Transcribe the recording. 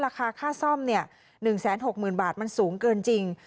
ราคาค่าซ่อม๑๖๐๐๐บาทมันสูงเกินจริง